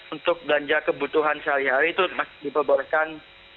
untuk belanja kebutuhan sehari hari itu masih diperbolehkan